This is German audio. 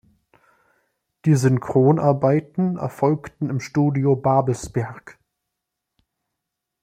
Die Synchronarbeiten erfolgten im Studio Babelsberg.